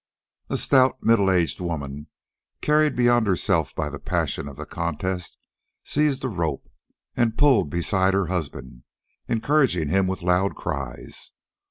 A stout, middle aged woman, carried beyond herself by the passion of the contest, seized the rope and pulled beside her husband, encouraged him with loud cries.